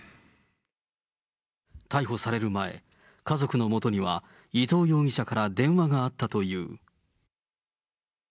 逮捕される前、家族のもとには伊藤容疑者から電話があったという。